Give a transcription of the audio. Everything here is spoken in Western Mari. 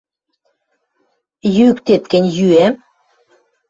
— Йӱктет гӹнь, йӱӓм.